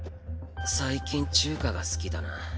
最近中華が好きだな。